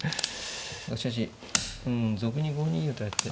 しかしうん俗に５二銀とやって。